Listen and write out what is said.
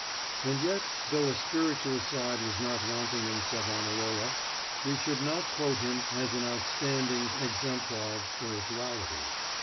And yet, though a spiritual side was not wanting in Savonarola, we should not quote him as an outstanding exemplar of spirituality.